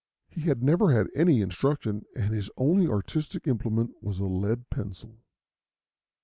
He had never had any instruction, and his only artistic implement was a lead pencil.